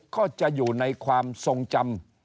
ก็จะอยู่ในความทรงจำ